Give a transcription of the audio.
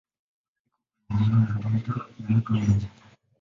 Iko kwenye eneo la delta ya "mto Niger".